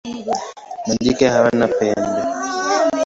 Majike hawana pembe.